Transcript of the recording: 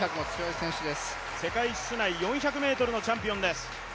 世界室内４００のチャンピオンです。